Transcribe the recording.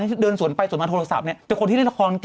แม่กี้ไม่รู้ออกอีกหรอ